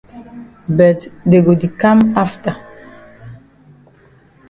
But dey go di kam afta.